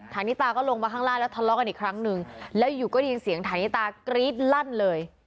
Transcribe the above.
นิตาก็ลงมาข้างล่างแล้วทะเลาะกันอีกครั้งหนึ่งแล้วอยู่ก็ได้ยินเสียงฐานิตากรี๊ดลั่นเลย